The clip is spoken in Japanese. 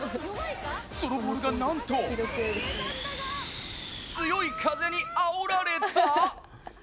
そのボールがなんと強い風にあおられた。